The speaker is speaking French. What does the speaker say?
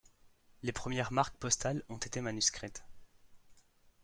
Les premières marques postales ont été manuscrites.